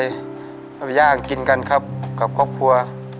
ย่างกินกันครับกับครอบครัว